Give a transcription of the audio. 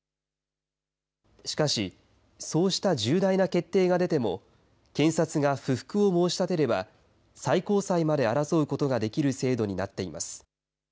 しかし、そうした重大な決定が出ても、検察が不服を申し立てれば、最高裁まで争うことができる制度になっています。